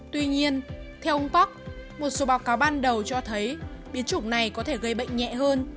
tuy nhiên theo ông park một số báo cáo ban đầu cho thấy biến chủng này có thể gây bệnh nhẹ hơn